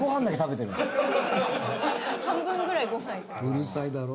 うるさいだろ？